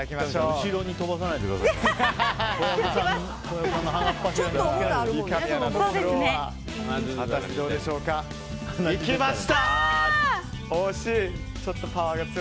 後ろに飛ばさないでくださいよ。